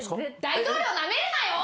大統領なめるなよ！